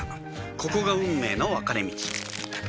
ここが運命の分かれ道